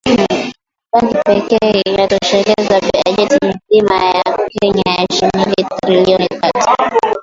Bangi pekee itatosheleza bajeti nzima ya Kenya ya shilingi Trilioni tatu